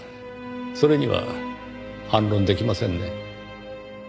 それには反論できませんね。